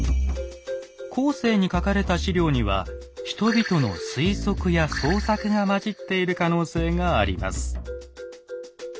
後世に書かれた史料には人々の推測や創作が混じっている可能性があります。